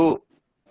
banyak banget ya